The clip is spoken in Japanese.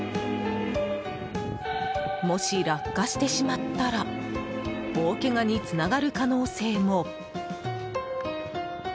もし、落下してしまったら大けがにつながる可能性も。